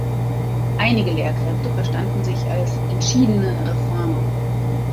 Einige Lehrkräfte verstanden sich als "entschiedene Reformer".